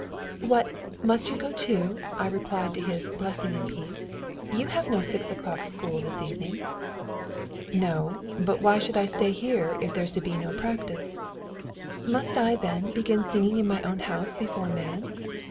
"'What! must you go too?' I replied to his 'blessing and peace.' 'You have no six o'clock school this evening.' "'No; but why should I stay here if there's to be no practice?' "'Must I, then, begin singing in my own house before a man?'